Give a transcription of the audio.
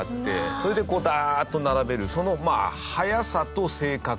それでこうダーッと並べるその速さと正確さ。